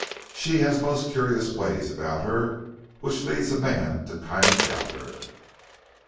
she has most curyus ways about her, which leads a man to kinda dout her.